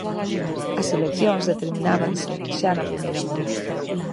As eleccións determinábanse xa na primeira volta.